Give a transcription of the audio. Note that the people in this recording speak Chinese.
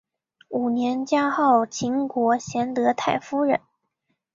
五年加号秦国贤德太夫人。